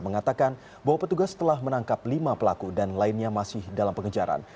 mengatakan bahwa petugas telah menangkap lima pelaku dan lainnya masih dalam pengejaran